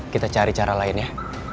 kita cari cara lainnya